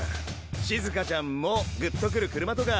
シズカちゃんもグッとくる車とか